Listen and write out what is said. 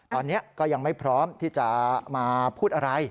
ตอนนี้ก็ยังไม่พร้อมที่จะมาพูดอะไร